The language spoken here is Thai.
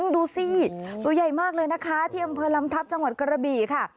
ดูสิตัวใหญ่มากเลยนะคะที่อำเภอลำทัพจังหวัดกระบี่ค่ะ